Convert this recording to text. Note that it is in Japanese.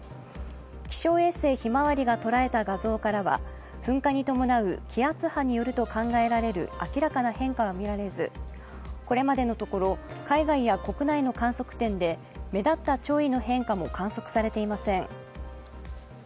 気象衛星ひまわりがとらえた画像からは噴火に伴う気圧波によると考えられる明らかな変化は見られず、これまでのところ、海外や国内の観測点で目立った潮位の変化も観測されていません。